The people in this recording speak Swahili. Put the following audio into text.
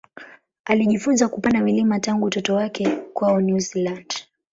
Alijifunza kupanda milima tangu utoto wake kwao New Zealand.